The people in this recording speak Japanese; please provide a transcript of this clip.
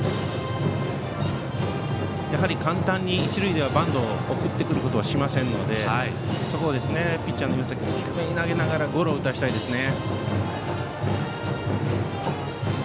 簡単に一塁ではバントで送ってくることはしませんのでそこをピッチャーの岩崎君低めに投げながらゴロを打たせたいですね。